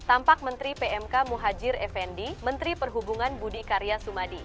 tampak menteri pmk muhajir effendi menteri perhubungan budi karya sumadi